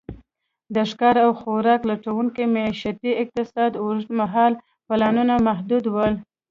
د ښکار او خوراک لټونکو معیشتي اقتصاد اوږد مهاله پلانونه محدود ول.